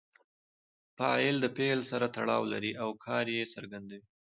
فاعل د فعل سره تړاو لري او کار ئې څرګندوي.